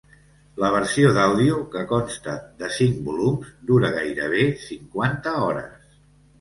La versió d'àudio, que consta de cinc volums, dura gairebé cinquanta hores.